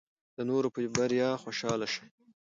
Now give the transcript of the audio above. د نورو په بریا خوشحاله شئ.